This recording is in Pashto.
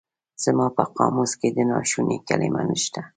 زما په قاموس کې د ناشوني کلمه نشته.